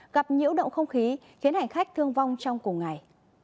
gặp nhiễu động không khí khiến hành khách thương vong trong cùng ngày